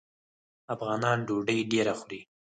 افغانان ډوډۍ ډیره خوري.